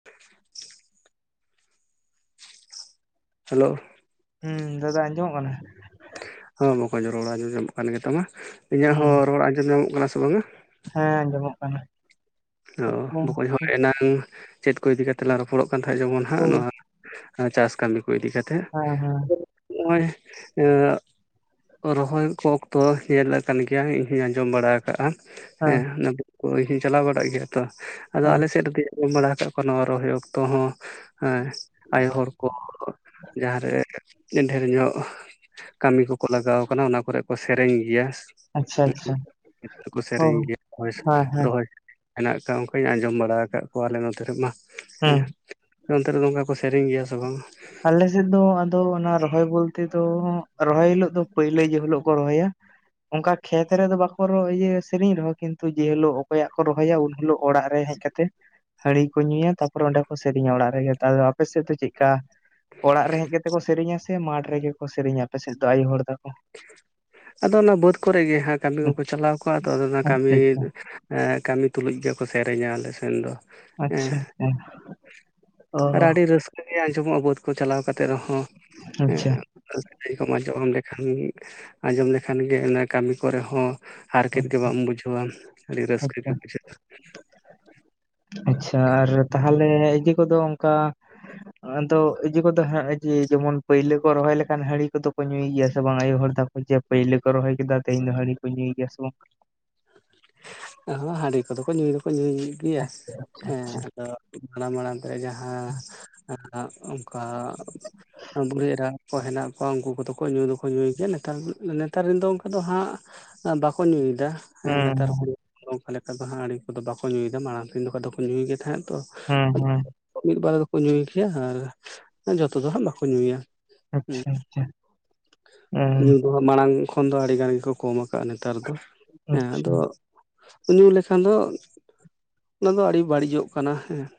[inaudible] Hello. ᱦᱩᱸ ᱫᱟᱫᱟ ᱟᱸᱡᱚᱢᱚᱜ ᱠᱟᱱᱟ? ᱦᱚᱸ ᱵᱟᱠᱚᱧ ᱨᱚᱲ ᱟᱸᱡᱚᱢ ᱧᱟᱢᱚᱜ ᱠᱟᱱ ᱜᱮᱛᱟᱢᱟ᱾ ᱤᱧᱟᱹᱜ ᱦᱩᱸ ᱦᱚᱸ ᱨᱚᱲ ᱟᱸᱡᱚᱢ ᱧᱟᱢᱚᱜ ᱠᱟᱱᱟ ᱥᱮ ᱵᱟᱝᱼᱟ? ᱦᱮᱸ ᱟᱸᱡᱚᱢᱚᱜ ᱠᱟᱱᱟ᱾ ᱚ ᱟᱯᱚ ᱵᱚᱠᱚᱧ ᱦᱚᱸ ᱮᱱᱟᱱ ᱪᱮᱫ ᱠᱚ ᱤᱫᱤ ᱠᱟᱛᱮ ᱞᱟᱝ ᱨᱚᱯᱚᱲᱚᱜ ᱠᱟᱱ ᱛᱟᱦᱮᱸᱫ ᱡᱮᱢᱚᱱ ᱩᱱᱠᱩ ᱦᱟᱸᱜ ᱱᱚᱣᱟ [unintelligible] ᱾ ᱮᱸ ᱪᱟᱥ ᱠᱟᱹᱢᱤ ᱠᱚ ᱤᱫᱤ ᱠᱟᱛᱮᱫ ᱦᱮᱸ ᱦᱮᱸ [inaudible] ᱦᱚᱸᱜᱼᱚᱭ, ᱮᱸ ᱨᱚᱦᱚᱭ ᱠᱚ ᱚᱠᱛᱚ ᱧᱮᱞ ᱟᱠᱟᱱ ᱜᱮᱭᱟ ᱤᱧ ᱦᱩᱧ ᱟᱸᱡᱚᱢ ᱵᱟᱲᱟ ᱠᱟᱜᱼᱟ᱾ ᱦᱮᱸ ᱚᱱᱟ ᱫᱤᱠ ᱠᱚ ᱤᱧ ᱦᱩᱧ ᱪᱟᱞᱟᱣ ᱵᱟᱲᱟᱜ ᱜᱮᱭᱟ ᱛᱚ, ᱟᱫᱚ ᱦᱮᱸ ᱟᱞᱮ ᱥᱮᱫ ᱨᱮᱫᱚ ᱩᱢ ᱵᱟᱲᱟ ᱠᱟᱜ ᱠᱚᱣᱟ ᱱᱚᱣᱟ ᱨᱚᱦᱚᱭ ᱚᱠᱛᱚ ᱦᱚᱸ ᱦᱮᱸ ᱟᱭᱳ ᱦᱚᱲ ᱠᱚ ᱡᱟᱦᱟᱸ ᱨᱮ ᱰᱷᱮᱨ ᱧᱚᱜ ᱠᱟᱹᱢᱤ ᱠᱚᱠᱚ ᱞᱟᱜᱟᱣ ᱟᱠᱟᱱᱟ ᱚᱱᱟ ᱠᱚᱨᱮᱜ ᱠᱚ ᱥᱮᱨᱮᱧ ᱜᱮᱭᱟ᱾ ᱟᱪᱪᱷᱟ ᱟᱪᱪᱷᱟ [inaudible] ᱪᱮᱫ ᱠᱚᱠᱚ ᱚ ᱥᱮᱨᱮᱧ ᱜᱮᱭᱟ ᱨᱚᱦᱚᱭ ᱦᱮᱸ ᱦᱮᱸ ᱨᱚᱦᱚᱭ᱾ ᱦᱮᱱᱟᱜ ᱠᱟᱜ ᱚᱱᱠᱟᱧ ᱟᱸᱡᱚᱢ ᱵᱟᱲᱟ ᱟᱠᱟᱜ ᱠᱚᱣᱟ ᱟᱞᱮ ᱱᱚᱛᱮ ᱨᱮᱢᱟ ᱦᱮᱸ᱾ ᱟᱯᱮ ᱚᱱᱛᱮ ᱨᱮᱫᱚ ᱚᱱᱠᱟ ᱠᱚ ᱥᱮᱨᱮᱧ ᱜᱮᱭᱟ ᱥᱮ ᱵᱟᱝᱟ? ᱟᱞᱮ ᱥᱮᱫ ᱫᱚ ᱟᱫᱚ ᱚᱱᱟ ᱨᱚᱦᱚᱭ ᱵᱚᱞᱛᱮ ᱫᱚ ᱨᱚᱦᱚᱭ ᱦᱤᱞᱚᱜ ᱫᱚ ᱯᱟᱹᱭᱞᱟᱹ ᱡᱮ ᱦᱤᱞᱚᱜ ᱠᱚ ᱨᱚᱦᱚᱭᱟ᱾ ᱚᱱᱠᱟ ᱠᱷᱮᱛ ᱨᱮᱫᱚ ᱵᱟᱠᱚ ᱨᱚ ᱤᱭᱟᱹ ᱥᱮᱨᱮᱧ ᱨᱮᱦᱚᱸ ᱠᱤᱱᱛᱩ ᱡᱮ ᱦᱤᱞᱚᱜ ᱚᱠᱚᱭᱟᱜ ᱠᱚ ᱨᱚᱦᱚᱭᱟ ᱩᱱ ᱦᱤᱞᱚᱜ ᱚᱲᱟᱜ ᱨᱮ ᱦᱮᱡ ᱠᱟᱛᱮ ᱦᱟᱹᱲᱤ ᱠᱚ ᱧᱩᱭᱟ ᱛᱟᱯᱚᱨ ᱚᱸᱰᱮ ᱠᱚ ᱥᱮᱨᱮᱧᱟ ᱚᱲᱟᱜ ᱨᱮᱜᱮ ᱛᱟᱫᱚ ᱟᱯᱮ ᱥᱮᱫ ᱫᱚ ᱪᱮᱫᱠᱟ? ᱚᱲᱟᱜ ᱨᱮ ᱦᱮᱡ ᱠᱟᱛᱮ ᱠᱚ ᱥᱮᱨᱮᱧᱟ ᱥᱮ ᱢᱟᱴ ᱨᱮᱜᱮ ᱠᱚ ᱥᱮᱨᱮᱧᱟ ᱟᱯᱮ ᱥᱮᱫ ᱫᱚ ᱟᱭᱳ ᱦᱚᱲ ᱫᱚ? ᱟᱫᱚ ᱚᱱᱟ ᱵᱟᱹᱫᱽ ᱠᱚᱨᱮᱜ ᱜᱮ ᱦᱟᱸᱜ ᱠᱟᱹᱢᱤ ᱠᱚᱠᱚ ᱪᱟᱞᱟᱣ ᱠᱚᱜ-ᱟ ᱟᱫᱚ ᱫᱚ ᱚᱱᱟ ᱠᱟᱹᱢᱤ ᱟᱪᱪᱷᱟ ᱟᱪᱪᱷᱟ ᱮᱸ ᱠᱟᱹᱢᱤ ᱛᱩᱞᱩᱡ ᱜᱮᱠᱚ ᱥᱮᱨᱮᱧᱟ ᱟᱞᱮ ᱥᱮᱱ ᱫᱚ᱾ ᱟᱪᱪᱷᱟ ᱦᱮᱸ, ᱚᱻ ᱞᱟᱹᱭ ᱫᱟᱹᱧ ᱟᱸᱡᱚᱢᱚᱜᱼᱟ ᱵᱟᱹᱫᱽ ᱠᱚ ᱪᱟᱞᱟᱣ ᱠᱟᱛᱮ ᱨᱮᱦᱚᱸ ᱟᱪᱪᱷᱟ, [inaudible] ᱠᱷᱟᱱ [inaudible] ᱟᱸᱡᱚᱢ ᱞᱮᱠᱷᱟᱱ ᱜᱮ ᱚᱱᱟ ᱠᱟᱹᱢᱤ ᱠᱚᱨᱮ ᱦᱚᱸ ᱦᱟᱨᱠᱮᱛ ᱜᱮ ᱵᱟᱢ ᱵᱩᱡᱷᱟᱹᱣᱟᱢ ᱟᱹᱰᱤ ᱨᱟᱹᱥᱠᱟᱹ ᱜᱮ ᱟᱪᱪᱷᱟ, ᱵᱩᱡᱷᱟᱹᱜᱼᱟ ᱾ ᱟᱪᱪᱷᱟ ᱟᱨ ᱛᱟᱦᱮᱞᱮ ᱤᱭᱟᱹ ᱠᱚᱫᱚ ᱚᱝᱠᱟ? ᱟᱫᱚ ᱤᱡᱟᱹ ᱠᱚᱫᱚ ᱦᱮᱸ ᱟᱡᱤ ᱡᱮᱢᱚᱱ ᱯᱟᱹᱭᱞᱟᱹ ᱠᱚ ᱨᱚᱦᱚᱭ ᱞᱮᱠᱷᱟᱱ ᱦᱟᱺᱬᱤ ᱠᱚᱫᱚ ᱠᱚ ᱧᱩᱭ ᱜᱮᱭᱟ ᱥᱮ ᱵᱟᱝ ᱟᱭᱳ ᱦᱚᱲ ᱛᱟᱠᱚ? ᱡᱮ ᱯᱟᱹᱭᱞᱟᱹ ᱠᱚ ᱨᱚᱦᱚᱭ ᱠᱮᱫᱟ ᱛᱮᱦᱮᱧ ᱫᱚ ᱦᱟᱺᱬᱤ ᱠᱚ ᱧᱩᱭ ᱜᱮᱭᱟ ᱥᱮᱢ ᱵᱟᱝ? ᱦᱚᱸ ᱦᱟᱺᱰᱤ ᱠᱚᱫᱚ ᱠᱚ ᱧᱩᱭ ᱫᱚᱠᱚ ᱧᱩᱭ ᱜᱮᱭᱟ ᱦᱮᱸ ᱟᱫᱚ? ᱚᱱᱟ ᱢᱟᱲᱟᱝ ᱛᱮ ᱡᱟᱦᱟᱸ [inaudible] ᱚᱝᱠᱟ ᱵᱩᱲᱤ ᱮᱨᱟ, ᱠᱚ ᱦᱮᱱᱟᱜ ᱠᱚᱣᱟ ᱩᱱᱠᱩ ᱠᱚᱫᱚ ᱠᱚ ᱧᱩ ᱫᱚᱠᱚ ᱧᱩᱭ ᱜᱮᱭᱟ ᱱᱮᱛᱟᱨ ᱱᱮᱛᱟᱨ ᱨᱮᱱ ᱫᱚ ᱚᱱᱠᱟ ᱫᱚ ᱦᱟᱸᱜ, ᱵᱟᱠᱚ ᱧᱩᱭᱫᱟ ᱾ ᱦᱩᱸ [inaudible] ᱚᱱᱠᱟ ᱞᱮᱠᱟ ᱫᱚ ᱦᱟᱸ ᱦᱟᱺᱰᱤ ᱠᱚᱫᱚ ᱵᱟᱠᱚ ᱧᱩᱭᱫᱟ ᱢᱟᱲᱟᱝ ᱛᱤᱧ ᱫᱚ ᱠᱷᱟᱱ ᱫᱚᱠᱚ ᱧᱩᱭ ᱜᱮ ᱛᱟᱦᱮᱸᱫ ᱛᱚ ᱾ ᱦᱩᱸ ᱦᱩᱸ ᱢᱤᱜᱵᱟᱨ ᱫᱚᱠᱚ ᱧᱩᱭ ᱜᱮᱭᱟ ᱟᱨ ᱡᱚᱛᱚ ᱫᱚ ᱦᱟᱸᱜ ᱵᱟᱠᱚ ᱧᱩᱭᱟ ᱾ ᱟᱪᱪᱷᱟ ᱟᱪᱪᱷᱟ [inaudible] [unintelligible] ᱢᱟᱲᱟᱝ ᱠᱷᱚᱱ ᱫᱚ ᱟᱹᱰᱤ ᱜᱟᱱ ᱜᱮᱠᱚ ᱠᱚᱢ ᱟᱠᱟᱜᱼᱟ ᱱᱮᱛᱟᱨ ᱫᱚ ᱦᱮᱸ ᱟᱪᱪᱷᱟ, ᱟᱫᱚ, ᱧᱩ ᱞᱮᱠᱷᱟᱱ ᱫᱚ ᱚᱱᱟ ᱫᱚ ᱟᱹᱰᱤ ᱵᱟᱹᱲᱤᱡᱚᱜ ᱠᱟᱱᱟ ᱦᱮᱸ ᱾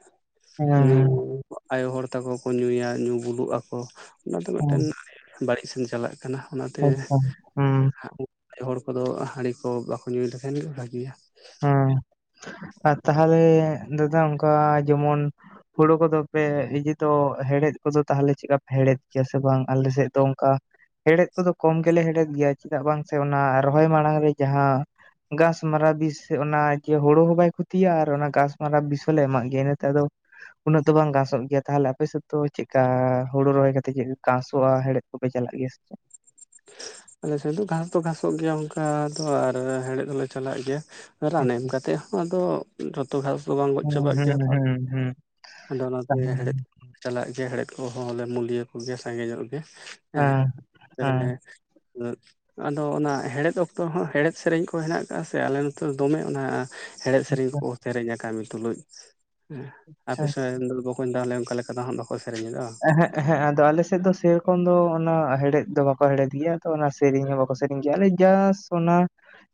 ᱦᱮᱸ, ᱧᱩ ᱦᱮᱸ, ᱟᱭᱳ ᱦᱚᱲ ᱛᱟᱠᱚ ᱠᱚ ᱧᱩᱭᱟ ᱧᱩ ᱵᱩᱞᱩᱜ ᱟᱠᱚ ᱚᱱᱟ ᱫᱚ ᱢᱤᱫᱴᱮᱱ ᱦᱮᱸ, [inaudible] ᱵᱟᱹᱲᱤᱡ ᱥᱮᱱ ᱪᱟᱞᱟᱜ ᱠᱟᱱᱟ ᱾ [unintelligible] ᱦᱩᱸ ᱾ ᱟᱭᱳ ᱦᱚᱲ ᱠᱚᱫᱚ ᱦᱟᱺᱰᱤ ᱠᱚ ᱵᱟᱠᱚ ᱧᱩᱭ ᱞᱮᱠᱷᱟᱱ ᱜᱮ ᱵᱷᱟᱹᱜᱤᱭᱟ ᱾ ᱦᱩᱸ ᱟᱨ ᱛᱟᱦᱟᱞᱮ ᱫᱟᱫᱟ ᱚᱝᱠᱟ ᱡᱮᱢᱚᱱ ᱦᱳᱲᱳ ᱠᱚᱫᱚ ᱯᱮ ᱤᱡᱤ ᱛᱚ ᱦᱮᱲᱦᱮᱫ ᱠᱚᱫᱚ ᱛᱟᱦᱞᱮ ᱪᱤᱠᱟᱯ ᱦᱮᱲᱦᱮᱫ ᱜᱮᱭᱟ ᱥᱮ ᱵᱟᱝ? ᱟᱞᱮ ᱥᱮᱫ ᱫᱚ ᱚᱱᱠᱟ ᱦᱮᱲᱦᱮᱫ ᱠᱚᱫᱚ ᱠᱚᱢ ᱜᱮᱞᱮ ᱦᱮᱲᱦᱮᱫ ᱜᱮᱭᱟ ᱪᱮᱫᱟᱜ ᱵᱟᱝ ᱥᱮ ᱚᱱᱟ ᱨᱚᱦᱚᱭ ᱢᱟᱲᱟᱝ ᱨᱮ ᱡᱟᱦᱟᱸ ᱜᱟᱸᱥ ᱢᱟᱨᱟ ᱵᱤᱥ ᱛᱮ ᱚᱱᱟ ᱠᱮ ᱦᱳᱲᱳ ᱦᱚᱸ ᱵᱟᱭ ᱠᱷᱩᱛᱤᱭᱟ ᱟᱨ ᱚᱱᱟ ᱜᱟᱸᱥ ᱢᱟᱨᱟ ᱵᱤᱥ ᱦᱚᱸ ᱞᱮ ᱮᱢᱟᱜ ᱜᱮᱭᱟ ᱤᱱᱟᱹᱛᱮ ᱟᱫᱚ, ᱩᱱᱟᱹᱜ ᱫᱚ ᱵᱟᱝ ᱜᱟᱥᱚᱸᱜ ᱜᱮᱭᱟ ᱛᱟᱦᱞᱮ ᱟᱯᱮ ᱥᱮᱫ ᱫᱚ ᱪᱤᱜᱠᱟ ᱦᱳᱲᱳ ᱨᱚᱦᱚᱭ ᱠᱟᱛᱮᱜ ᱪᱮᱫ ᱠᱟᱸᱥᱚᱜᱼᱟ ᱦᱮᱲᱮᱫ ᱾ ᱠᱚ ᱯᱮ ᱪᱟᱞᱟᱜ ᱜᱮᱭᱟ ᱥᱮ ᱪᱮᱫ? [inaudible] ᱟᱞᱮ ᱥᱮᱫ ᱫᱚ ᱜᱟᱸᱥ ᱫᱚ ᱜᱷᱟᱸᱥᱚᱜ ᱜᱮᱭᱟ ᱚᱝᱠᱟ ᱫᱚ ᱟᱨ ᱦᱮᱲᱮᱫ ᱦᱚᱸ ᱞᱮ ᱪᱟᱞᱟᱜ ᱜᱮᱭᱟ ᱾ ᱨᱟᱱ ᱮᱢ ᱠᱟᱛᱮᱜ ᱦᱚᱸ ᱟᱫᱚ, ᱡᱷᱚᱛᱚ ᱜᱷᱟᱥ ᱫᱚ ᱵᱟᱝ ᱜᱚᱡ ᱦᱩᱸ ᱪᱟᱵᱟᱜ ᱜᱮᱭᱟ ᱦᱩᱸ ᱛᱚ ᱦᱩᱸ ᱦᱩᱸ ᱟᱫᱚ ᱚᱱᱟᱛᱮ ᱛᱟᱦᱚᱞᱮ ᱦᱮᱲᱦᱮᱫ ᱾ ᱪᱟᱞᱟᱜ ᱜᱮᱭᱟ ᱦᱮᱲᱦᱮᱫ ᱠᱚᱦᱚᱸ ᱞᱮ ᱢᱩᱞᱤᱭᱟᱹ ᱠᱚᱜᱮ ᱥᱟᱸᱜᱮᱧᱚᱜ ᱜᱮ ᱦᱮᱸ ᱦᱮᱸ [inaudible] [inaudible] ᱟᱫᱚ ᱚᱱᱟ ᱦᱮᱲᱮᱫ ᱚᱠᱛᱚ ᱦᱚᱸ ᱦᱮᱲᱮᱡ ᱥᱮᱨᱮᱧ ᱠᱚ ᱦᱮᱱᱟᱜ ᱠᱟᱜᱼᱟ ᱥᱮ ᱟᱞᱮ ᱱᱚᱛᱮ ᱫᱚᱢᱮ ᱚᱱᱟ ᱦᱮᱲᱮᱡ ᱥᱮᱨᱮᱧ ᱠᱚ ᱟᱪᱪᱷᱟ ᱥᱮᱨᱮᱧᱟ ᱠᱟᱹᱢᱤ ᱛᱩᱞᱩᱡ ᱟᱯᱮ ᱥᱮᱱ [unintelligible] ᱵᱚᱠᱚᱧ ᱛᱟᱦᱚᱞᱮ ᱚᱝᱠᱟ ᱞᱮᱠᱟ ᱫᱚ ᱦᱟᱸᱜ ᱵᱟᱠᱚ ᱥᱮᱨᱮᱧᱮᱫᱟ ᱵᱟ? ᱮᱦᱮᱜ ᱮᱦᱮᱸ ᱟᱫᱚ ᱟᱞᱮᱥᱮᱫ ᱫᱚ ᱥᱮᱠᱚᱢ ᱫᱚ ᱚᱱᱟ ᱦᱮᱲᱮᱫ ᱫᱚ ᱵᱟᱠᱚ ᱦᱮᱲᱮᱫ ᱜᱮᱭᱟ ᱛᱚ ᱚᱱᱟᱥ ᱾ ᱛᱮᱨᱮᱧ ᱦᱚᱸ ᱵᱟᱠᱚ ᱥᱮᱨᱮᱧ ᱜᱮᱭᱟ ᱚᱱᱮ ᱡᱟᱥ ᱚᱱᱟ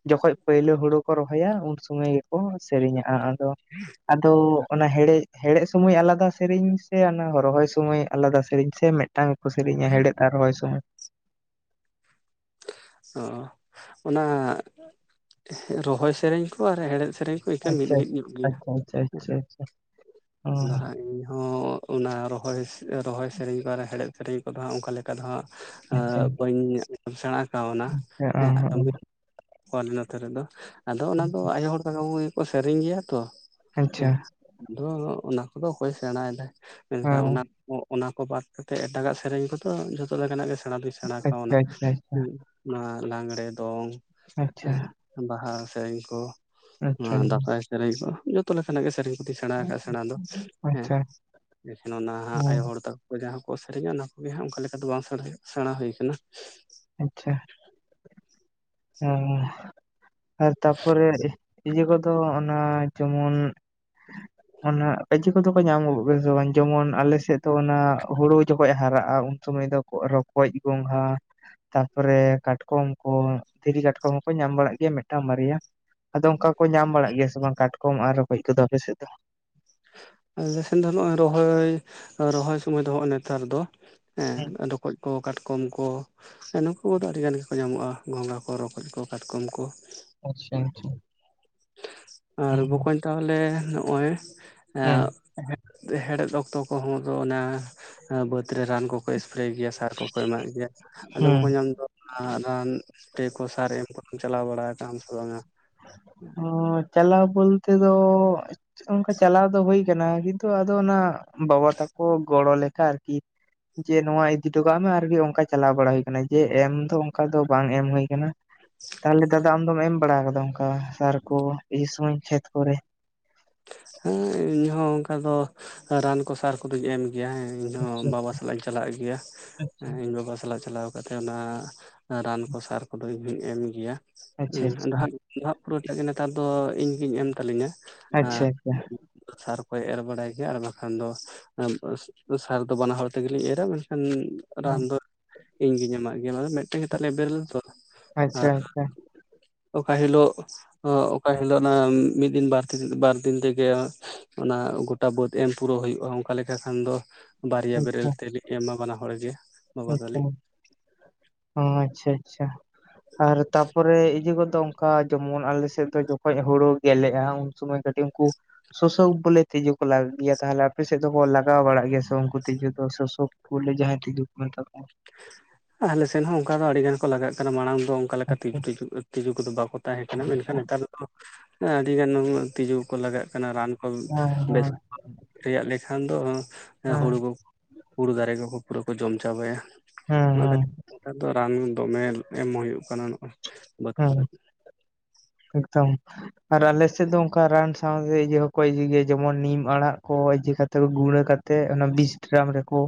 ᱡᱚᱠᱷᱚᱡ ᱯᱟᱹᱭᱞᱟᱹ ᱦᱳᱲᱳ ᱠᱚ ᱨᱚᱦᱚᱭᱟ ᱩᱱ ᱥᱩᱢᱟᱹᱭ ᱜᱮᱠᱚ ᱥᱮᱨᱮᱧᱟᱼᱟ ᱟᱫᱚ [inaudible] ᱟᱫᱚ ᱚᱱᱟ ᱦᱮᱲᱮᱡ ᱦᱮᱲᱮᱜ ᱥᱩᱢᱚᱭ ᱟᱞᱟᱫᱟ ᱥᱮᱨᱮᱧ ᱥᱮ ᱚᱱᱟ ᱨᱚᱦᱚᱭ ᱾ ᱛᱩᱢᱳᱭ ᱟᱞᱟᱫᱟ ᱥᱮᱨᱮᱧ ᱥᱮ ᱢᱮᱜᱴᱟᱝ ᱠᱚ ᱥᱮᱨᱮᱧᱟ ᱦᱮᱲᱦᱮᱫ ᱟᱨ ᱨᱚᱦᱚᱭ ᱥᱳᱢᱚᱭ ᱾ ᱚ ᱚ ᱚᱱᱟ ᱨᱚᱦᱚᱭ ᱥᱮᱨᱮᱧ ᱠᱚ ᱟᱨ ᱦᱮᱲᱦᱮᱫ ᱥᱮᱨᱮᱧ ᱾ ᱢᱮᱠᱟᱱ ᱢᱤᱜ ᱟᱪᱪᱷᱟ ᱞᱤᱜ ᱧᱚᱜ ᱜᱮᱭᱟ ᱟᱪᱪᱷᱟ ᱟᱪᱪᱷᱟ ᱟᱪᱪᱷᱟ ᱦᱮᱸ ᱾ ᱟᱪᱪᱷᱟ ᱚ ᱟᱫᱚ ᱦᱟᱸᱜ ᱤᱧ ᱦᱚᱸ ᱚᱱᱟ ᱨᱚᱦᱚᱭ ᱨᱚᱦᱚᱭ ᱥᱮᱨᱮᱧ ᱠᱟᱨᱮ ᱦᱮᱲᱦᱮᱫ ᱥᱮᱨᱮᱧ ᱠᱚᱫᱚ ᱦᱟᱸᱜ ᱚᱝᱠᱟ ᱞᱮᱠᱟ ᱫᱚ ᱦᱟᱸᱜ ᱟᱪᱪᱷᱟ ᱟᱪᱪᱷᱟ [inaudible] ᱵᱟᱧ ᱥᱮᱸᱬᱟ ᱠᱟᱣᱱᱟ ᱦᱮᱸ ᱦᱚᱸ [unintelligible] ᱟᱞᱮ ᱱᱚᱛᱮ ᱨᱮᱫᱚ ᱟᱫᱚ ᱚᱱᱟ ᱫᱚ ᱟᱭᱳ ᱦᱚᱲ ᱛᱟᱠᱚ ᱜᱮᱠᱚ ᱥᱮᱨᱮᱧ ᱜᱮᱭᱟ ᱛᱚ ᱾ ᱟᱪᱪᱷᱟ ᱟᱪᱪᱷᱟ ᱦᱮᱸ ᱟᱫᱚ ᱚᱱᱟ ᱠᱚᱫᱚ ᱚᱠᱚᱭ ᱥᱮᱬᱟᱭ ᱮᱫᱟᱭ ᱢᱮᱱᱠᱷᱟᱱ ᱟᱪᱪᱷᱟ ᱚᱱᱟ ᱚᱱᱟ ᱠᱚ ᱵᱟᱫ ᱠᱟᱛᱮᱫ ᱮᱴᱟᱜᱟᱜ ᱥᱮᱨᱮᱧ ᱠᱚᱫᱚ ᱡᱷᱚᱛᱚ ᱞᱮᱠᱟ ᱱᱟᱜ ᱜᱮ ᱥᱮᱬᱟ ᱫᱩᱧ ᱥᱮᱬᱟ ᱠᱟᱣᱱᱟ ᱦᱩᱸ᱾ ᱚᱱᱟ ᱞᱟᱜᱽᱲᱮ ᱫᱚᱝ ᱟᱪᱪᱷᱟ ᱮ ᱵᱟᱦᱟ ᱥᱮᱨᱮᱧ ᱠᱚ᱾ ᱟᱪᱪᱷᱟ ᱟᱪᱪᱷᱟ ᱱᱚᱣᱟ ᱫᱟᱸᱥᱟᱭ ᱥᱮᱨᱮᱧ ᱠᱚ ᱡᱚᱛᱚ ᱞᱮᱠᱟ ᱱᱟᱜ ᱜᱮ ᱥᱮᱨᱮᱧ ᱠᱚᱫᱩᱧ ᱥᱮᱬᱟ ᱟᱠᱟᱜᱼᱟ ᱥᱮᱬᱟ ᱫᱚ᱾ ᱦᱮᱸ ᱟᱪᱪᱷᱟ ᱮᱠᱷᱟᱱ ᱚᱱᱟ ᱟᱭᱳ ᱦᱚᱸ ᱦᱚᱲ ᱛᱟᱠᱚ ᱡᱟᱦᱟᱸᱠᱚ ᱥᱮᱨᱮᱧᱟ ᱚᱱᱟ ᱠᱚᱜᱮ ᱦᱟᱸᱜ ᱚᱝᱠᱟ ᱞᱮᱠᱟ ᱫᱚ ᱵᱟᱝ ᱥᱮᱬᱟ ᱦᱩᱭ ᱥᱮᱬᱟ ᱦᱳᱭ ᱠᱟᱱᱟ᱾ ᱟᱪᱪᱷᱟ ᱾ [unintelligible] ᱟᱨ ᱛᱟᱯᱚᱨᱮ ᱤᱭᱟᱹ ᱠᱚᱫᱚ ᱚᱱᱟ ᱡᱮᱢᱚᱱ ᱚᱱᱟ ᱠᱟᱹᱡᱤ ᱠᱚᱫᱚ ᱠᱚ ᱧᱟᱢᱚᱜ ᱜᱮᱥᱮ ᱵᱟᱝ ᱡᱮᱢᱚᱱ ᱟᱞᱮᱥᱮᱜ ᱫᱚ ᱚᱱᱟ ᱦᱳᱲᱳ ᱡᱚᱠᱷᱚᱡ ᱮ ᱦᱟᱨᱟᱜᱼᱟ ᱩᱱ ᱥᱩᱢᱟᱹᱭ ᱫᱚ ᱨᱚᱠᱚᱡ ᱜᱚᱸᱜᱷᱟ ᱛᱟᱯᱚᱨᱮ ᱠᱟᱴᱠᱚᱢ ᱠᱚ, ᱫᱷᱤᱨᱤ ᱠᱟᱴᱠᱚᱢ ᱦᱚᱸᱠᱚ ᱧᱟᱢ ᱵᱟᱲᱟᱜ ᱜᱮᱭᱟ ᱢᱮᱫᱴᱟᱝ ᱵᱟᱨᱭᱟ ᱟᱫᱚ ᱚᱝᱠᱟ ᱠᱚ ᱧᱟᱢ ᱵᱟᱲᱟᱜ ᱜᱮᱭᱟ ᱥᱮ ᱵᱟᱝ ᱠᱟᱴᱠᱚᱢ ᱟᱨ ᱨᱚᱠᱚᱡ ᱠᱚᱫᱚ ᱟᱯᱮ ᱥᱮᱜ ᱫᱚ? ᱟᱞᱮ ᱥᱮᱱ ᱫᱚ ᱱᱚᱜᱼᱚᱭ ᱨᱚᱦᱚᱭ ᱨᱚᱦᱚᱭ ᱥᱚᱢᱚᱭ ᱫᱚ ᱦᱚᱜ ᱱᱮᱛᱟᱨ ᱫᱚ ᱦᱩᱸ ᱦᱮᱸ ᱨᱚᱠᱚᱡ ᱠᱚ ᱠᱟᱴ‌ ᱠᱚᱢ ᱠᱚ ᱱᱩᱠᱩ ᱫᱚ ᱟᱹᱰᱤ ᱜᱟᱱ ᱜᱮᱠᱚ ᱧᱟᱢᱚᱜᱼᱟ ᱜᱚᱸᱜᱟ ᱠᱚ ᱨᱚᱠᱚᱡ ᱠᱚ ᱠᱟᱴᱠᱚᱢ ᱠᱚ, ᱟᱪᱪᱷᱟ ᱟᱪᱪᱷᱟ ᱾ ᱟᱨ ᱵᱚᱠᱚᱧ ᱛᱟᱦᱚᱞᱮ ᱱᱚᱜᱼᱚᱭ ᱦᱮᱸ ᱟᱸ [inaudible] ᱦᱮᱲᱦᱮᱫ ᱚᱠᱛᱚ ᱠᱚᱦᱚᱸ ᱫᱚ ᱚᱱᱟ ᱵᱟᱹᱫᱽ ᱨᱮ ᱨᱟᱱ ᱠᱚ ᱠᱚ ᱮᱥᱯᱨᱮ ᱜᱮᱭᱟ ᱥᱟᱨ ᱠᱚᱠᱚ ᱮᱢᱟᱜ ᱜᱮᱭᱟ ᱟᱫᱚ ᱦᱮᱸ ᱵᱚᱠᱚᱧ ᱟᱢ ᱫᱚ ᱚᱱᱟ ᱨᱟᱱ ᱮᱥᱯᱨᱮ ᱠᱚ ᱥᱟᱨ ᱮᱢ ᱠᱚᱢ ᱪᱟᱞᱟᱣ ᱵᱟᱲᱟ ᱟᱠᱟᱱᱟᱢ ᱥᱮ ᱵᱟᱝᱟ? ᱚ ᱪᱟᱞᱟᱣ ᱵᱚᱞᱛᱮ ᱫᱚ ᱚᱝᱠᱟ ᱪᱟᱞᱟᱣ ᱫᱚ ᱦᱳᱭ ᱠᱟᱱᱟ ᱠᱤᱱᱛᱩ ᱟᱫᱚ ᱚᱱᱟ ᱵᱟᱵᱟ ᱛᱟᱠᱚ ᱜᱚᱲᱚ ᱞᱮᱠᱟ ᱟᱨᱠᱤ, ᱡᱮ ᱱᱚᱶᱟ ᱤᱫᱤ ᱴᱚᱠᱟᱜ ᱢᱮ ᱟᱨᱠᱤ ᱚᱝᱠᱟ ᱪᱟᱞᱟᱣ ᱵᱟᱲᱟ ᱦᱩᱭ ᱠᱟᱱᱟ, ᱡᱮ ᱮᱢ ᱫᱚ ᱚᱝᱠᱟ ᱫᱚ ᱵᱟᱝ ᱮᱢ ᱦᱳᱭ ᱠᱟᱱᱟ᱾ ᱛᱟᱦᱚᱞᱮ ᱫᱟᱫᱟ ᱟᱢᱫᱚᱢ ᱮᱢ ᱵᱟᱲᱟ ᱠᱟᱫᱟ ᱚᱝᱠᱟ ᱥᱟᱨ ᱠᱚ ᱤᱭᱟᱹ ᱥᱚᱢᱚᱭ ᱠᱷᱮᱛ ᱠᱚᱨᱮ? ᱦᱮᱸ ᱤᱧ ᱦᱚᱸ ᱚᱝᱠᱟ ᱫᱚ ᱨᱟᱱ ᱠᱚ ᱥᱟᱨ ᱠᱚᱫᱚᱧ ᱮᱢ ᱜᱮᱭᱟ ᱦᱮᱸ, ᱤᱧ ᱦᱚᱸ ᱟᱪᱪᱷᱟ ᱵᱟᱵᱟ ᱥᱟᱞᱟᱜ ᱤᱧ ᱪᱟᱞᱟᱜ ᱜᱮᱭᱟ ᱟᱪᱪᱷᱟ ᱤᱧ ᱵᱟᱵᱟ ᱥᱟᱞᱟᱜ ᱪᱟᱞᱟᱣ ᱠᱟᱛᱮᱜ ᱚᱱᱟ ᱨᱟᱱ ᱠᱚ ᱥᱟᱨ ᱠᱚᱫᱚ ᱤᱧ ᱦᱩᱧ ᱮᱢ ᱜᱮᱭᱟ ᱟᱪᱪᱷᱟ ᱦᱩᱸ ᱟᱫᱚ ᱦᱟᱸᱜ ᱤᱧ ᱫᱚ ᱦᱟᱸᱜ ᱯᱩᱨᱟᱹ ᱴᱟᱜ ᱜᱮ ᱱᱮᱛᱟᱨ ᱫᱚ ᱤᱧᱜᱤᱧ ᱮᱢ ᱛᱟᱞᱤᱧᱟ ᱟᱪᱪᱷᱟ ᱟᱪᱪᱷᱟ ᱟᱪᱪᱷᱟ ᱥᱟᱨ ᱠᱚᱭ ᱮᱨ ᱵᱟᱲᱟᱭ ᱜᱮᱭᱟ ᱟᱨ ᱵᱟᱠᱷᱟᱱ ᱫᱚ ᱥᱟᱨ ᱫᱚ ᱵᱟᱱᱟ ᱦᱚᱲ ᱛᱮᱜᱮᱞᱤᱧ ᱮᱨᱟ ᱢᱮᱱᱠᱷᱟᱱ ᱨᱟᱱ ᱫᱚ ᱤᱧᱜᱤᱧ ᱮᱢᱟᱜ ᱜᱮᱭᱟ ᱚᱱᱟ ᱫᱚ ᱢᱮᱜᱴᱮᱱ ᱜᱮᱛᱟ ᱞᱮᱭᱟ ᱵᱮᱨᱮᱞ ᱛᱚ ᱾ ᱟᱪᱪᱷᱟ ᱟᱪᱪᱷᱟ ᱾ ᱚᱠᱟ ᱦᱤᱞᱳᱜ ᱚᱠᱟ ᱦᱤᱞᱳᱜ ᱚᱱᱟ ᱢᱤᱫ ᱫᱤᱱ ᱵᱟᱨ ᱯᱮ ᱫᱤᱱ ᱵᱟᱨ ᱫᱤᱱ ᱛᱮᱜᱮ ᱚᱱᱟ ᱜᱚᱴᱟ ᱵᱟᱹᱫ ᱮᱢ ᱯᱩᱨᱟᱹᱣ ᱦᱩᱭᱩᱜᱼᱟ, ᱚᱝᱠᱟ ᱞᱮᱠᱟ ᱠᱷᱟᱱ ᱫᱚ ᱵᱟᱨᱭᱟ ᱵᱮᱨᱮᱞ ᱛᱮᱞᱤᱧ ᱮᱢᱟ ᱵᱟᱱᱟ ᱦᱚᱲ ᱜᱮ᱾ ᱵᱟᱵᱟ ᱦᱮᱸ ᱛᱚ ᱛᱟᱹᱞᱤᱧ ᱟᱪᱪᱷᱟ ᱟᱪᱪᱷᱟ ᱾ ᱟᱨ ᱛᱟᱯᱚᱨᱮ ᱤᱭᱟᱹ ᱠᱚ ᱫᱚ ᱚᱝᱠᱟ ᱡᱮᱢᱚᱱ ᱟᱞᱮᱥᱮᱜ ᱫᱚ ᱡᱚᱠᱷᱚᱡ ᱦᱳᱲᱳ ᱜᱮᱞᱮᱜᱼᱟ ᱩᱱ ᱥᱩᱢᱚᱭ ᱠᱟᱹᱴᱤᱜ ᱩᱝᱠᱩ ᱥᱳᱥᱳᱠ ᱵᱚᱞᱮ ᱛᱤᱡᱩ ᱠᱚ ᱞᱟᱜ ᱜᱮᱭᱟ ᱛᱟᱦᱚᱞᱮ ᱟᱯᱮ ᱥᱮᱜ ᱫᱚᱠᱚ ᱞᱟᱜᱟᱣ ᱵᱟᱲᱟᱜ ᱜᱮᱭᱟ ᱥᱮ ᱩᱝᱠᱩ ᱛᱤᱡᱩ ᱫᱚ ᱥᱳᱥᱳᱠ? ᱵᱚᱞᱮ ᱡᱟᱦᱟᱸᱭ ᱛᱤᱫᱩ ᱠᱚ ᱢᱮᱛᱟ ᱠᱚᱣᱟ᱾ ᱟᱞᱮ ᱥᱮᱱ ᱦᱚᱸ ᱚᱱᱠᱟ ᱫᱚ ᱟᱹᱲᱤ ᱜᱟᱱ ᱠᱚ ᱞᱟᱜᱟᱜ ᱠᱟᱱᱟ ᱢᱟᱲᱟᱝ ᱫᱚ ᱚᱝᱠᱟ ᱞᱮᱠᱟ ᱛᱤᱡᱩ ᱦᱮᱸ ᱴᱤᱡᱩᱜ ᱛᱤᱡᱩ ᱠᱚᱫᱚ ᱵᱟᱠᱚ ᱛᱟᱦᱮᱸ ᱠᱟᱱᱟ, ᱢᱮᱱᱠᱷᱟᱱ ᱱᱮᱛᱟᱨ ᱫᱚ ᱟᱹᱰᱤ ᱜᱟᱱ ᱛᱤᱡᱩ ᱠᱚᱠᱚ ᱞᱟᱜᱟᱜ ᱠᱟᱱᱟ, ᱨᱟᱱ ᱵᱮᱥ [unintelligible] [inaudible] ᱞᱮᱠᱷᱟᱱ ᱫᱚ ᱦᱮᱸ ᱦᱩᱲᱩ ᱠᱚ ᱦᱩᱲᱩ ᱫᱟᱨᱮ ᱠᱚᱼᱠᱚ ᱯᱩᱨᱟᱹ ᱠᱚ ᱡᱚᱢ ᱪᱟᱵᱟᱭᱟ ᱦᱮᱸ ᱾ ᱚᱱᱟ ᱦᱮᱸ ᱠᱷᱟᱹᱛᱤᱨ ᱱᱮᱛᱟᱨ ᱫᱚ ᱨᱟᱱ ᱫᱚᱢᱮᱞ ᱮᱢ ᱦᱩᱭᱩᱜ ᱠᱟᱱᱟ ᱱᱚᱜᱼᱚᱭ ᱾ ᱦᱮᱸ ᱮᱠᱫᱚᱢ ᱟᱨ ᱟᱞᱮ ᱥᱮᱜ ᱫᱚ ᱚᱝᱠᱟ ᱨᱟᱱ ᱥᱟᱶᱛᱮ ᱤᱭᱟᱹ ᱦᱚᱸᱠᱚ ᱤᱭᱟᱹᱭ ᱜᱮᱭᱟ ᱾ ᱡᱮᱢᱚᱱ ᱱᱤᱢ ᱟᱲᱟᱜ ᱠᱚ ᱤᱭᱟᱹ ᱠᱟᱛᱮ ᱠᱚ ᱜᱩᱲᱟᱹ ᱠᱟᱛᱮ ᱛᱮᱜ ᱚᱱᱟ ᱵᱤᱥ ᱰᱨᱟᱢ ᱨᱮᱠᱚ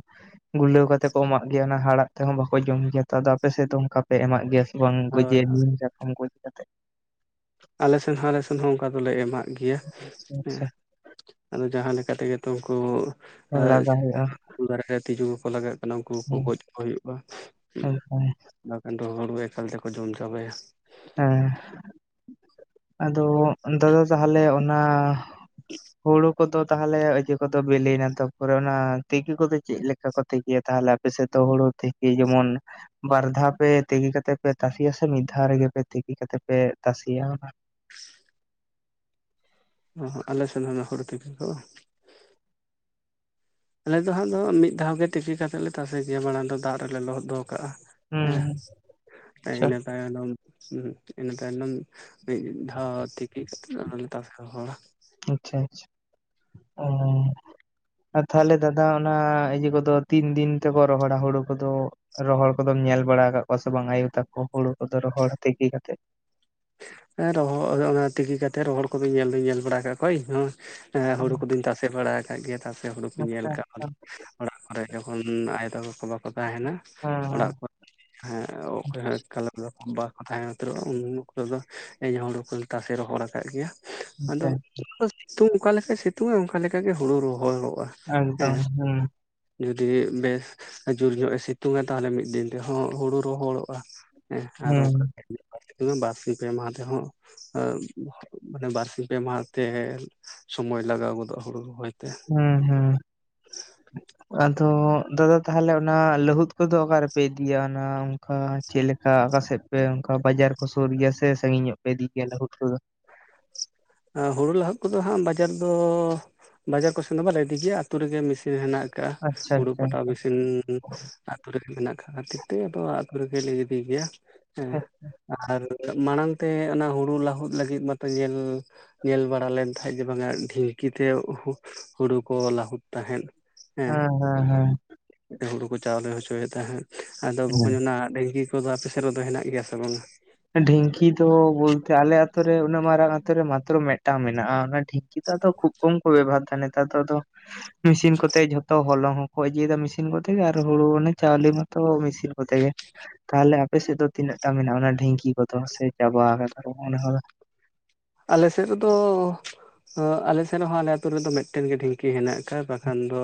ᱜᱩᱨᱞᱟᱹᱣ ᱠᱟᱛᱮ ᱠᱚ ᱮᱢᱟᱜ ᱜᱮᱭᱟ ᱾ ᱚᱱᱟ ᱦᱟᱲᱦᱟᱜ ᱛᱮᱦᱚᱸ ᱵᱟᱠᱚ ᱡᱚᱢ ᱜᱮᱭᱟ ᱛᱚ ᱾ ᱟᱫᱚ ᱟᱯᱮᱥᱮᱜ ᱫᱚ ᱚᱝᱠᱟ? ᱯᱮ ᱮᱢᱟᱜ ᱜᱮᱭᱟ ᱵᱟᱝ ᱦᱳᱭ ᱜᱚᱡᱮ ᱦᱳᱭ ᱱᱤᱢ ᱥᱟᱠᱟᱢ ᱠᱚ ᱤᱫᱤ ᱠᱟᱛᱮᱜ? ᱟᱞᱮ ᱥᱮᱱ ᱦᱚᱸ ᱟᱞᱮ ᱥᱮᱱ ᱦᱚᱸ ᱚᱝᱠᱟ ᱫᱚᱞᱮ ᱮᱢᱟᱜ ᱜᱮᱭᱟ ᱟᱪᱪᱷᱟ ᱾ᱦᱮᱸ ᱟᱪᱪᱷᱟ ᱟᱫᱚ ᱡᱟᱦᱟᱸ ᱞᱮᱠᱟ ᱛᱮᱜᱮ ᱛᱚ ᱩᱝᱠᱩ ᱞᱟᱜᱟᱣ ᱦᱩᱭᱩᱜᱼᱟ [unintelligible] ᱫᱟᱨᱮ ᱨᱮ ᱛᱤᱡᱩ ᱠᱚᱠᱚ ᱞᱟᱜᱟᱜ ᱩᱱᱠᱩ ᱠᱚ ᱦᱮᱸ ᱜᱚᱡ ᱠᱚ ᱦᱩᱭᱩᱜᱼᱟ ᱮᱠᱫᱚᱢ ᱾ ᱵᱟᱠᱷᱟᱱ ᱫᱚ ᱦᱳᱲᱳ ᱮᱠᱟᱞ ᱛᱮᱠᱚ ᱡᱚᱢ ᱪᱟᱵᱟᱭᱟ᱾ ᱦᱮᱸ [inaudible] ᱟᱫᱚ ᱱᱮᱛᱟᱨ ᱛᱟᱦᱚᱞᱮ ᱚᱱᱟ [inaudible] ᱦᱩᱲᱩ ᱠᱚᱼᱫᱚ ᱛᱟᱦᱚᱞᱮ ᱤᱭᱟᱹ ᱠᱚᱼᱫᱚ ᱵᱮᱞᱮᱭᱮᱱᱟᱛᱚ ᱛᱟᱯᱚᱨᱮ ᱚᱱᱟ ᱛᱤᱠᱤ ᱠᱚᱼᱫᱚ ᱪᱮᱜ ᱞᱮᱠᱟ ᱠᱚ ᱛᱮᱠᱮᱭᱟ᱾ ᱛᱟᱦᱚᱞᱮ ᱟᱯᱮᱥᱮᱜ ᱛᱚ ᱦᱳᱲᱳ ᱛᱮᱠᱮ ᱡᱮᱢᱚᱱ ᱵᱟᱨ ᱫᱷᱟᱣ ᱯᱮ ᱛᱮᱠᱮ ᱠᱟᱛᱮ ᱯᱮ ᱛᱟᱥᱮᱭᱟ ᱾ᱥᱮ ᱢᱤᱜ ᱫᱷᱟᱣ ᱨᱮᱜᱮ ᱯᱮ ᱛᱮᱠᱮ ᱠᱟᱛᱮ ᱯᱮ ᱛᱟᱥᱮᱭᱟ ᱚᱱᱟ ᱦᱚᱸ ᱦᱚᱸ ᱟᱞᱮ ᱥᱮᱱ ᱦᱚᱸ ᱚᱱᱟ ᱦᱳᱲᱳ ᱛᱮᱠᱮ ᱠᱚ ᱟᱞᱮ ᱫᱚ ᱦᱟᱸᱜ ᱫᱚ ᱢᱤᱜ ᱫᱷᱟᱣ ᱜᱮ ᱛᱮᱠᱮ ᱠᱟᱛᱮᱜ ᱞᱮ ᱛᱟᱥᱮ ᱜᱮᱭᱟ᱾ ᱢᱟᱲᱟᱝ ᱫᱚ ᱫᱟᱜ ᱨᱮᱞᱮ ᱞᱚᱦᱚᱫ ᱫᱚ ᱠᱟᱜᱼᱟ ᱦᱩᱸ ᱦᱮᱸ ᱟᱪᱪᱷᱟ ᱤᱱᱟᱹ ᱛᱟᱭᱱᱚᱢ ᱤᱱᱟᱹ ᱛᱟᱭᱱᱚᱢ ᱢᱤᱜ ᱫᱷᱽᱟᱣ ᱛᱮᱠᱮ ᱠᱟᱛᱮᱫ ᱟᱨ ᱦᱚᱞᱮ ᱛᱟᱥᱮ ᱨᱚᱦᱚᱲᱟ᱾ ᱟᱪᱪᱷᱟ ᱟᱪᱪᱷᱟ ᱚ ᱟᱨ ᱛᱟᱦᱚᱞᱮ ᱫᱟᱫᱟ ᱚᱱᱟ ᱤᱭᱟᱹ ᱠᱚᱼᱫᱚ ᱛᱤᱱ ᱫᱤᱱ ᱛᱮᱠᱚ ᱨᱚᱦᱚᱲᱟ ᱾ᱦᱳᱲᱳ ᱠᱚᱼᱫᱚ ᱾ ᱨᱚᱦᱚᱲ ᱠᱚᱫᱚᱢ ᱧᱮᱞ ᱵᱟᱲᱟ ᱟᱠᱟᱜ ᱠᱚᱣᱟ ᱥᱮ ᱵᱟᱝ ᱾ᱟᱭᱳ ᱛᱟᱠᱚ ᱦᱳᱲᱳ ᱠᱚᱫᱚ ᱨᱚᱦᱚᱲ ᱛᱮᱠᱮ ᱠᱟᱛᱮᱫ? ᱦᱮᱸ ᱨᱚᱦᱚ ᱚᱱᱟ ᱛᱤᱠᱤ ᱠᱟᱛᱮᱜ ᱨᱚᱦᱚᱲ ᱠᱚᱫᱩᱧ ᱧᱮᱞ ᱫᱩᱧ ᱧᱮᱞ ᱵᱟᱲᱟ᱾ ᱠᱟᱜ ᱠᱚᱣᱟ ᱤᱧ ᱦᱚᱸ ᱦᱮᱸ ᱦᱩᱲᱩ ᱠᱚᱫᱩᱧ ᱛᱟᱥᱮ ᱵᱟᱲᱟ ᱟᱠᱟᱜ ᱜᱮᱭᱟ ᱾ᱛᱮ ᱦᱩᱲᱩ ᱠᱩᱧ ᱧᱮᱞ ᱟᱪᱪᱷᱟ ᱠᱟᱣᱫᱟ᱾ ᱟᱪᱪᱷᱟ ᱚᱲᱟᱜ ᱠᱚᱨᱮ ᱡᱚᱠᱷᱚᱱ ᱟᱭᱳ ᱛᱟᱠᱚ ᱠᱚ ᱵᱟᱠᱚ ᱛᱟᱦᱮᱱᱟ ᱚᱲᱟᱜ ᱦᱮᱸ ᱠᱚᱨᱮ [unintelligible] ᱚᱠᱚᱭ ᱦᱚᱸ [unintelligible] ᱛᱟᱦᱮᱸ ᱩᱛᱟᱹᱨᱚᱜᱼᱟ [unintelligible] ᱦᱤᱞᱳᱜ ᱫᱚ ᱤᱧ ᱦᱳᱲᱳ ᱠᱩᱧ ᱛᱟᱥᱮ ᱨᱚᱦᱚᱲ ᱟᱠᱟᱜ ᱜᱮᱭᱟ᱾ ᱟᱫᱚ ᱦᱮᱸ ᱥᱤᱛᱩᱝ ᱚᱠᱟᱞᱮᱠᱟᱭ ᱥᱤᱛᱩᱝᱼᱟ᱾ ᱚᱝᱠᱟᱞᱮᱠᱟ ᱜᱮ ᱦᱩᱲᱩ ᱨᱚᱦᱚᱲᱚᱜᱼᱟ᱾ ᱦᱮᱸ ᱮᱠᱫᱚᱢ ᱦᱩᱸ ᱡᱩᱫᱤ ᱵᱮᱥ ᱡᱩᱨ ᱧᱚᱜ ᱮ ᱥᱤᱛᱩᱝᱟ᱾ ᱛᱟᱦᱚᱞᱮ ᱢᱤᱫ ᱫᱤᱱ ᱛᱮᱦᱚᱸ ᱦᱩᱲᱩ ᱨᱚᱦᱚᱲᱚᱜᱼᱟ ᱾ ᱦᱮᱸ ᱟᱨ ᱦᱩᱸ ᱚᱝᱠᱟ [unintelligible] ᱵᱟᱨᱥᱤ ᱯᱮ ᱢᱟᱦᱟ ᱨᱮᱦᱚᱸ [unintelligible] ᱢᱟᱱᱮ ᱵᱟᱨᱥᱤᱧ ᱯᱮ ᱢᱟᱦᱟᱛᱮ ᱦᱮ ᱥᱚᱢᱚᱭ ᱞᱟᱜᱟᱣ ᱜᱚᱫᱚᱜᱼᱟ ᱦᱩᱲᱩ ᱨᱚᱦᱚᱭᱛᱮ᱾ ᱦᱩᱸ ᱦᱩᱸ ᱟᱫᱚ ᱫᱟᱫᱟ ᱛᱟᱦᱚᱞᱮ ᱚᱱᱟ ᱞᱟᱹᱦᱩᱫ ᱠᱚᱫᱚ ᱚᱠᱟ ᱨᱮᱯᱮ ᱤᱫᱤᱭᱟ? ᱚᱱᱟ ᱚᱝᱠᱟ ᱪᱮᱜ ᱞᱮᱠᱟ ᱟᱠᱟᱥᱮᱫ ᱯᱮ ᱚᱝᱠᱟ ᱵᱟᱡᱟᱨ ᱠᱚ ᱥᱳᱨ ᱜᱮᱭᱟ᱾ ᱥᱮ ᱥᱟᱺᱜᱤᱧ ᱧᱚᱜ ᱯᱮ ᱤᱫᱤ ᱜᱮᱭᱟ ᱞᱟᱹ ᱦᱩᱫ ᱠᱚᱫᱚ? ᱟ ᱦᱩᱲᱩ ᱞᱟᱹᱦᱚᱫ ᱠᱚᱼᱫᱚ ᱦᱟᱸᱜ ᱵᱟᱡᱟᱨ ᱫᱚ ᱵᱟᱡᱟᱨ ᱠᱚᱥᱮᱱ ᱫᱚ ᱵᱟᱞᱮ ᱤᱫᱤ ᱜᱮᱭᱟ ᱾ᱟᱹᱛᱳ ᱨᱮᱜᱮ ᱢᱤᱥᱤᱱ ᱦᱮᱱᱟᱜ ᱠᱟᱜᱼᱟ ᱟᱪᱪᱷᱟ ᱦᱩᱲᱩ ᱟᱪᱪᱷᱟ ᱯᱟᱴᱟᱣ ᱵᱤᱥᱤᱱ ᱟᱹᱛᱩ ᱨᱮᱜᱮ ᱢᱮᱱᱟᱜ ᱠᱟᱜ ᱠᱷᱟᱹᱛᱤᱨ ᱛᱮ ᱟᱫᱚᱛ ᱨᱮᱜᱮᱞᱮ ᱤᱫᱤ ᱜᱮᱭᱟ ᱦᱮᱸ ᱟᱨ ᱢᱟᱲᱟᱝ ᱛᱮ ᱚᱱᱟ ᱦᱩᱲᱩ ᱞᱟᱹᱟᱦᱩᱫ ᱞᱟᱹᱜᱤᱫ ᱢᱟᱛᱚ ᱧᱮᱞ ᱧᱮᱞ ᱵᱟᱲᱟ ᱞᱮᱱ ᱛᱟᱦᱮᱸ ᱡᱮ ᱵᱟᱝᱟ ᱰᱷᱽᱤᱝᱠᱤ ᱛᱮ ᱦᱩᱲᱩ ᱠᱚ ᱞᱟᱹᱟᱦᱩᱫ ᱛᱟᱦᱮᱸᱫ᱾ ᱦ ᱦᱮᱸ ᱦᱮᱸ ᱦᱩᱲᱩ ᱠᱚ ᱪᱟᱣᱞᱮ ᱦᱚᱪᱚᱭᱮᱫ ᱛᱟᱦᱮᱸᱫ᱾ ᱟᱫᱚ ᱵᱟᱚᱠᱷ ᱚᱱᱟ ᱰᱮᱝᱠᱤ ᱠᱚᱼᱫᱚ ᱟᱯᱮ ᱥᱮᱫ ᱨᱮᱫᱚ ᱦᱮᱱᱟᱜ ᱜᱮᱭᱟ ᱥᱮ ᱵᱟᱝᱼᱟ? ᱰᱷᱽᱤᱝᱠᱤ ᱫᱚ ᱵᱚᱞᱛᱮ ᱟᱞᱮ ᱟᱛᱩᱨᱮ ᱩᱱᱟᱹᱜ ᱢᱟᱨᱟᱝ ᱟᱛ ᱨᱮ ᱢᱟᱛᱨᱚ ᱢᱤᱫᱴᱟᱝ ᱢᱮᱱᱟᱜᱼᱟ ᱾ᱚᱱᱟ ᱰᱷᱽᱤᱝᱠᱤ ᱱᱮᱛᱟᱨ ᱫᱚ ᱠᱷᱩᱵ ᱠᱚᱢ ᱠᱚ ᱵᱮᱵᱚᱦᱟᱨᱫᱟ ᱱᱮᱛᱟᱨ ᱫᱚ ᱟᱫᱚ ᱢᱮᱥᱤᱱ ᱠᱚᱛᱮ ᱡᱷᱚᱛᱚ ᱦᱚᱞᱚᱝ ᱦᱚᱸ ᱦᱚ ᱤᱡᱤ ᱡᱟ ᱢᱮᱥᱤᱱ ᱠᱚᱛᱮ ᱜᱮ ᱟᱨ ᱦᱩᱲᱩ ᱢᱟᱱᱮ ᱪᱟᱣᱞᱤ ᱢᱚᱛᱚ ᱢᱮᱥᱤᱱ ᱠᱚᱛᱮ ᱜᱮ ᱛᱟᱦᱚᱞᱮ ᱟᱯᱮ ᱥᱮᱫ ᱫᱚ ᱛᱤᱱᱟᱹᱜ ᱴᱟ ᱢᱮᱱᱟᱜᱼᱟ ᱰᱷᱤᱝᱠᱤ ᱠᱚᱫᱚ ᱥᱮ ᱪᱟᱵᱟ ᱠᱟᱫᱟ ᱚᱱᱟ ᱟᱞᱮ ᱥᱮᱫ ᱨᱮᱫᱚ ᱚ ᱟᱞᱮ ᱥᱮᱫ ᱨᱮᱦᱚᱸ ᱟᱞᱮ ᱟᱛ ᱨᱮᱫᱚ ᱢᱤᱫᱴᱮᱱᱜᱮ ᱰᱷᱤᱝᱠᱤ ᱦᱮᱱᱟᱜ ᱠᱟᱫᱟ ᱵᱟᱠᱷᱟᱱ ᱫᱚ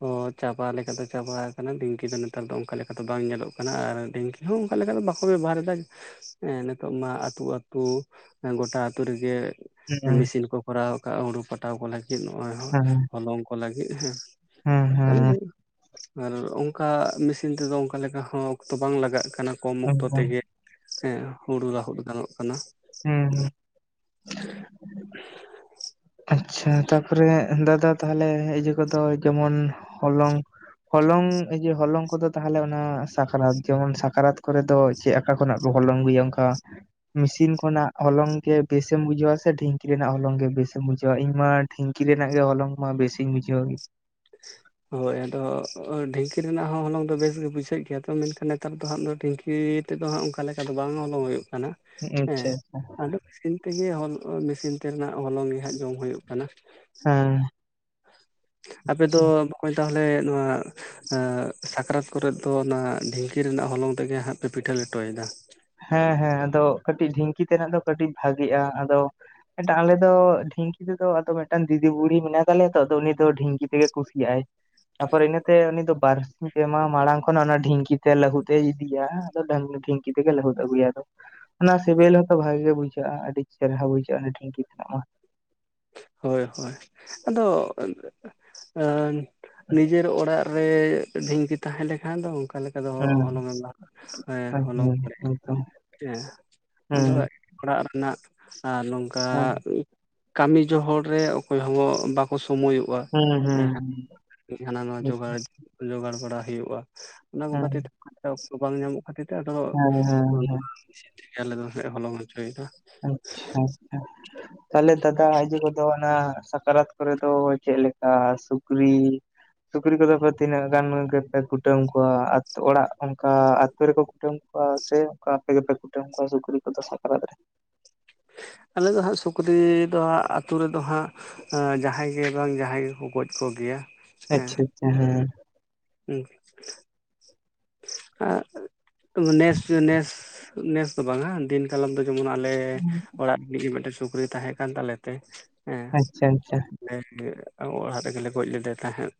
ᱚ ᱪᱟᱵᱟ ᱞᱮᱠᱟᱛᱮ ᱪᱟᱵᱟ ᱠᱟᱱᱟ ᱰᱷᱤᱝᱠᱤ ᱫᱚ ᱱᱮᱛᱟᱨ ᱫᱚ ᱚᱱᱠᱟ ᱫᱚ ᱵᱟᱝ ᱧᱮᱞᱚᱜ ᱠᱟᱱᱟ, ᱟᱨ ᱰᱷᱤᱝᱠᱤ ᱦᱩᱸ ᱚᱱᱠᱟ ᱞᱮᱠᱟ ᱫᱚ ᱵᱟᱠᱚ ᱵᱮᱵᱚᱦᱟᱨ ᱫᱟ ᱱᱤᱛᱚᱜ ᱢᱟ ᱟᱹᱛᱩ ᱟᱹᱛᱩ ᱜᱚᱴᱟ ᱟᱛᱩ ᱨᱮᱜᱮ ᱦᱩᱸ ᱢᱮᱥᱤᱱ ᱠᱚ ᱠᱚᱨᱟᱣ ᱠᱟᱫ ᱦᱩᱲᱩ ᱯᱟᱴᱟᱣ ᱠᱚ ᱞᱟᱹᱜᱤᱫ ᱱᱚᱜᱚᱭ ᱦᱮᱸ ᱦᱚᱞᱚᱝ ᱠᱚ ᱞᱟᱹᱜᱤᱫ ᱦᱮᱸ ᱦᱮᱸ ᱟᱞᱮ ᱦᱮᱸ ᱫᱚ ᱟᱨ ᱚᱝᱠᱟ ᱢᱮᱥᱤᱱ ᱛᱮᱫᱚ ᱚᱝᱠᱟ ᱞᱮᱠᱟ ᱦᱚᱸ ᱚᱠᱛᱚ ᱵᱟᱝ ᱞᱟᱜᱟᱜ ᱠᱟᱱᱟ ᱠᱚᱢ ᱚᱠᱛᱚ ᱮᱠᱫᱚᱢ ᱦᱮᱸ ᱛᱮᱜᱮ ᱦᱮᱸ ᱦᱩᱲᱩ ᱨᱟᱦᱩᱫ ᱜᱟᱱᱚᱜ ᱠᱟᱱᱟ᱾ ᱦ ᱟᱪᱪᱷᱟ ᱛᱟᱯᱚᱨᱮ ᱫᱟᱫᱟ ᱛᱟᱦᱚᱞᱮ ᱤᱭᱟᱹ ᱠᱚᱫᱚ ᱡᱮᱢᱚᱱ ᱦᱚᱞᱚᱝ ᱦᱚᱞᱚᱝ ᱤᱭᱟᱹ ᱦᱚᱞᱚᱝ ᱠᱚᱫᱚ ᱛᱟᱦᱚᱞᱮ ᱚᱱᱟ ᱥᱟᱠᱨᱟᱛ ᱡᱮᱢᱚᱱ ᱥᱟᱠᱨᱟᱛ ᱠᱚᱨᱮ ᱫᱚ ᱪᱮᱫ ᱟᱠᱟ ᱠᱷᱚᱱᱟᱜ ᱠᱚ ᱦᱚᱞᱚᱝ ᱟᱹᱜᱩᱭᱟ ᱚᱝᱠᱟ ᱢᱮᱥᱤᱱ ᱠᱷᱚᱱᱟᱜ ᱦᱚᱞᱚᱝ ᱜᱮ ᱵᱮᱥᱮᱢ ᱵᱩᱡᱷᱟᱹᱣᱟ ᱥᱮ ᱰᱷᱤᱝᱠᱤ ᱨᱮᱱᱟᱜ ᱦᱚᱞᱚᱝ ᱜᱮ ᱵᱮᱥ ᱵᱩᱡᱷᱟᱹᱣᱟ? ᱤᱧ ᱢᱟ ᱴᱷᱤᱝᱤ ᱨᱮᱱᱟᱜ ᱜᱮ ᱦᱚᱞᱚᱝ ᱢᱟ ᱵᱮᱥᱤᱧ ᱵᱩᱡᱷᱟᱹᱣᱟ᱾ ᱦᱳᱭ ᱟᱫᱚ ᱰᱷᱤᱝᱠᱤ ᱨᱮᱱᱟᱜ ᱦᱚᱸ ᱦᱚᱞᱚᱝ ᱫᱚ ᱵᱮᱥ ᱜᱮ ᱵᱩᱡᱷᱟᱹᱜ ᱜᱮᱭᱟ᱾ ᱛᱚ ᱢᱮᱱᱠᱷᱟᱱ ᱱᱮᱛᱟᱨ ᱫᱚ ᱦᱟᱸᱜ ᱫᱚ ᱰᱷᱤᱝᱠᱤ ᱛᱮᱫ ᱫᱚ ᱦᱟᱸᱜ ᱚᱝᱠᱟ ᱞᱮᱠᱟ ᱫᱚ ᱵᱟᱝ ᱦᱚᱞᱚᱝ ᱦᱩᱭᱩᱜ ᱠᱟᱱᱟ, ᱦᱮᱸ ᱟᱪᱪᱷᱟ ᱟᱪᱪᱷᱟ ᱟᱫᱚ [inaudible] ᱛᱮᱜᱮ ᱦᱚ ᱢᱮᱥᱤᱱ ᱛᱮᱱᱟᱜ ᱦᱚᱞᱚᱝ ᱜᱮ ᱦᱟᱸᱜ ᱡᱚᱢ ᱦᱩᱭᱩᱜ ᱠᱟᱱᱟ᱾ ᱦᱮᱸ᱾ ᱟᱯᱮ ᱫᱚ ᱵᱚᱠᱚᱧ ᱛᱟᱦᱚᱞᱮ ᱱᱚᱣᱟ ᱟᱸ ᱥᱟᱠᱨᱟᱛ ᱠᱚᱨᱮᱫ ᱫᱚ ᱚᱱᱟ ᱰᱷᱤᱝᱠᱤ ᱨᱮᱱᱟᱜ ᱦᱚᱞᱚᱝ ᱛᱮᱜᱮ ᱦᱟᱸᱜ ᱯᱮ ᱯᱤᱴᱷᱟᱹ ᱞᱮᱴᱚᱭᱫᱟ? ᱦᱮᱸ ᱦᱮᱸ ᱟᱫᱚ ᱠᱟᱹᱴᱤᱡ ᱰᱷᱤᱝᱠᱤ ᱛᱮᱱᱟᱜ ᱫᱚ ᱠᱟᱹᱴᱤᱡ ᱵᱷᱟᱜᱤᱜᱼᱟ, ᱟᱫᱚ ᱮᱴ ᱟᱞᱮ ᱫᱚ ᱰᱷᱤᱝᱠᱤ ᱛᱮᱫᱚ ᱟᱫᱚ ᱢᱤᱫᱴᱟᱝ ᱫᱤᱫᱤ ᱵᱩᱲᱤ ᱢᱮᱱᱟᱭ ᱛᱟᱞᱮᱭᱟ ᱛᱚ ᱩᱱᱤ ᱫᱚ ᱰᱷᱤᱝᱠᱤ ᱛᱮᱜᱮ ᱠᱩᱥᱤᱭᱟᱜᱟᱭ᱾ ᱛᱟᱯᱚᱨ ᱤᱱᱟᱹᱛᱮ ᱩᱱᱤ ᱫᱚ ᱵᱟᱨᱥᱤᱧ ᱯᱮᱢᱟ ᱢᱟᱲᱟᱝ ᱠᱷᱚᱱᱟᱜ ᱚᱱᱟ ᱰᱷᱤᱝᱠᱤ ᱛᱮ ᱞᱟᱹᱦᱩᱫ ᱮᱭ ᱤᱫᱤᱭᱟ ᱟᱫᱚ ᱰᱟᱝ ᱰᱷᱤᱝᱠᱤ ᱛᱮᱜᱮ ᱞᱟᱹᱦᱩᱫ ᱟᱹᱜᱩᱭᱟ ᱟᱫᱚ᱾ ᱚᱱᱟ ᱥᱤᱵᱤᱞ ᱦᱚᱸᱛᱚ ᱵᱷᱟᱜᱮ ᱜᱮ ᱵᱩᱡᱷᱟᱹᱜᱼᱟ ᱟᱹᱰᱤ ᱪᱮᱨᱦᱨᱟ ᱵᱩᱡᱷᱟᱹᱜᱼᱟ ᱟᱹᱰᱤ ᱰᱷᱝᱠᱤ ᱛᱮᱱᱟᱚᱜ ᱢᱟ᱾ ᱦᱳᱭ ᱦᱳᱭ, ᱟᱫᱚ ᱱᱤᱡᱮᱨ ᱚᱲᱟᱜ ᱨᱮ ᱰᱷᱤᱝᱠᱤ ᱛᱟᱦᱮᱸ ᱞᱮᱠᱷᱟᱱ ᱫᱚ ᱚᱝᱠᱟ ᱞᱮᱠᱟ ᱟᱫᱚ ᱦᱚᱞᱚᱝᱮ ᱮ ᱦᱮᱸ ᱦᱩᱸ ᱦᱚᱞᱚᱝ ᱮ ᱦᱩᱸ ᱮᱠᱫᱚᱢ ᱦᱮᱸ ᱟᱫᱚ ᱦᱩᱸ ᱚᱲᱟᱜ ᱨᱮᱱᱟᱜ ᱟᱨ ᱱᱚᱝᱠᱟ ᱦᱩᱸ ᱠᱟᱢᱤ ᱡᱚᱦᱚᱲ ᱨᱮ ᱚᱠᱚᱭ ᱦᱚᱸ ᱵᱟᱠᱚ ᱥᱚᱢᱚᱭᱚᱜ ᱠᱚᱣᱟ ᱦᱩᱸ ᱦᱩᱸ ᱦᱮᱸ ᱦᱟᱱᱟ ᱱᱚᱣᱟ ᱡᱚᱜᱟᱲ ᱡᱚᱜᱟᱲ ᱵᱟᱲᱟ ᱦᱩᱭᱩᱜᱼᱟ᱾ ᱚᱱᱟ ᱠᱚ ᱦᱩᱸ ᱠᱷᱟᱹᱛᱤᱨ ᱛᱮ ᱵᱟᱝ ᱧᱟᱢᱚᱜ ᱠᱷᱟᱹᱛᱤᱨ ᱛᱮ ᱟᱫᱚ ᱦᱮᱸ ᱦᱮᱸ ᱦᱮᱸ ᱰᱷᱤᱝᱠᱤ ᱟᱞᱮᱫᱚ ᱦᱚᱞᱚᱝ ᱦᱚᱪᱚᱭ ᱫᱟ᱾ ᱟᱪᱪᱷᱟ, ᱛᱟᱦᱚᱞᱮ ᱫᱟᱫᱟ ᱤᱭᱟᱹ ᱠᱚᱫᱚ ᱚᱱᱟ ᱥᱟᱠᱨᱟᱛ ᱠᱚᱨᱮ ᱫᱚ ᱪᱮᱫ ᱞᱮᱠᱟ ᱥᱩᱠᱨᱤ ᱥᱩᱠᱨᱤ ᱠᱚᱫᱚ ᱯᱮ ᱛᱤᱱᱟᱹᱜ ᱜᱟᱱ ᱜᱮᱯᱮ ᱠᱩᱴᱟᱹᱢ ᱠᱚᱣᱟ ᱟᱛᱩ ᱚᱲᱟᱜ ᱚᱝᱠᱟ ᱟᱹᱛᱩ ᱨᱮᱠᱚ ᱠᱩᱴᱟᱹᱢ ᱠᱚᱣᱟ ᱥᱮ ᱚᱝᱠᱟ ᱟᱯᱮᱯᱮ ᱠᱩᱴᱟᱹᱢ ᱠᱚᱣᱟ ᱥᱩᱠᱨᱤ ᱠᱚᱫᱚ ᱥᱟᱠᱨᱟᱛ ᱨᱮ? ᱟᱞᱮ ᱫᱚ ᱦᱟᱸᱜ ᱥᱩᱠᱨᱤ ᱫᱚ ᱦᱟᱸᱜ ᱟᱛᱩ ᱨᱮᱫᱚ ᱦᱟᱸᱜ ᱡᱟᱦᱟᱸᱭ ᱜᱮ ᱵᱟᱝ ᱡᱟᱦᱟᱸᱭ ᱜᱮᱠᱚ ᱜᱚᱡ ᱠᱚᱜᱮᱭᱟ᱾ ᱟᱪᱪᱷᱟ ᱟᱪᱪᱷᱟ ᱦᱮᱸ᱾ ᱦᱩᱸ, ᱟ ᱱᱮᱥ ᱱᱮᱥ ᱱᱮᱥ ᱫᱚ ᱵᱟᱝᱟ ᱫᱤᱱ ᱠᱟᱞᱢ ᱫᱚ ᱡᱮᱢᱚᱱ ᱟᱞᱮ ᱮᱸ ᱚᱲᱟᱜ ᱨᱤᱱᱤᱡ ᱜᱮ ᱢᱤᱫᱴᱮᱱ ᱥᱩᱠᱨᱤ ᱛᱟᱦᱮᱸ ᱠᱟᱱ ᱛᱟᱞᱮ ᱛᱮ ᱮᱸ ᱟᱪᱪᱷᱟ ᱟᱪᱪᱷᱟ ᱮᱸᱻ ᱚᱲᱟᱜ ᱨᱮᱜᱮ ᱞᱮ ᱜᱚᱡ ᱞᱮᱫᱮ ᱛᱟᱦᱮᱸᱫ᱾